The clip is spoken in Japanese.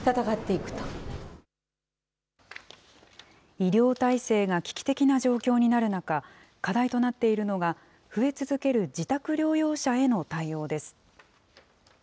医療体制が危機的な状況になる中、課題となっているのが、増え続ける自宅療養者への対応です。